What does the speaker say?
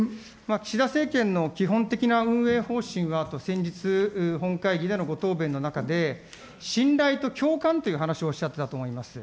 岸田政権の基本的な運営方針は、先日、本会議でのご答弁の中で、信頼と共感という話をおっしゃっていたと思います。